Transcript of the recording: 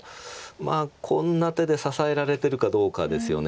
まあこんな手で支えられてるかどうかですよね。